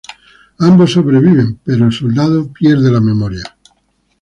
Ambos sobreviven, pero el soldado pierde la memoria.